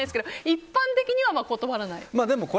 一般的には断らない。